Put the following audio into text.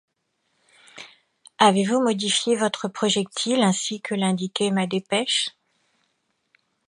Avez-vous modifié votre projectile ainsi que l’indiquait ma dépêche?